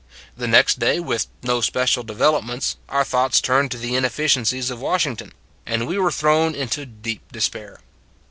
The next day, with no special developments, our thoughts turned to the inefficiencies of Washington, and we were thrown into deep despair.